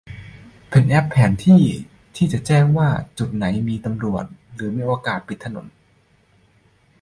เป็นแอปแผนที่ที่จะแจ้งว่าจุดไหนมีตำรวจหรือมีการปิดถนน